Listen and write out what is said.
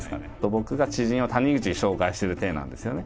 僕が知人を谷口に紹介しているていなんですよね。